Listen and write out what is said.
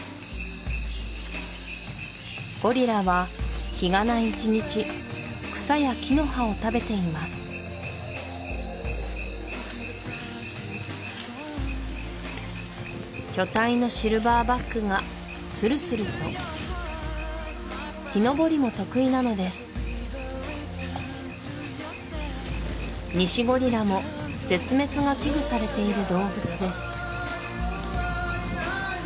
ゴリラは日がな一日草や木の葉を食べています巨体のシルバーバックがスルスルと木登りも得意なのですニシゴリラも絶滅が危惧されている動物です